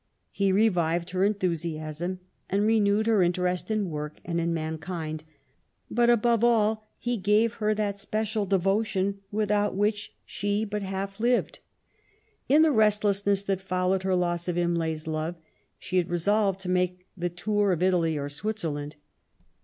He revived her enthusiasm and re newed her interest in work and in mankind; but above all he gave her that special devotion without which she but half lived. In the restlessness that followed her loss of Imlay's love, she had resolved to make the tour of Italy or Switzerland.